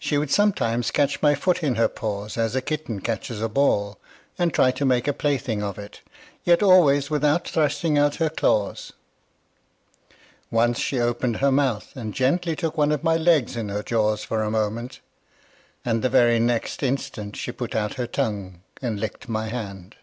She would sometimes catch my foot in her paws as a kitten catches a ball, and try to make a plaything of it, yet always without thrusting out her claws. Once she opened Her mouth, and gently took one of my legs in her jaws for a moment; and the very next instant she put out her tongue and licked my hand.